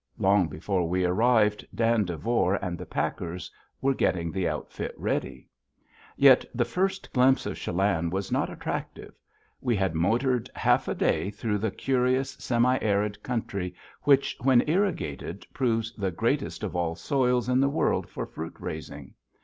Long before we arrived, Dan Devore and the packers were getting the outfit ready. [Illustration: Sitting Bull Mountain, Lake Chelan] Yet the first glimpse of Chelan was not attractive. We had motored half a day through that curious, semi arid country, which, when irrigated, proves the greatest of all soils in the world for fruit raising.